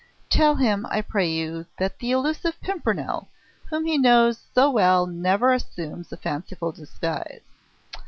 Tell him, I pray you, that the elusive Pimpernel whom he knows so well never assumes a fanciful disguise.